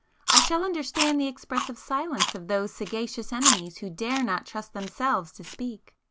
I shall understand the expressive silence of those sagacious enemies who dare not trust themselves to speak.